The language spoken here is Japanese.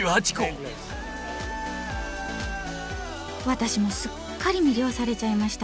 私もすっかり魅了されちゃいました。